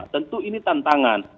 tentu ini tantangan